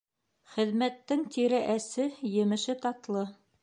Хеҙмәттең тире әсе, емеше татлы.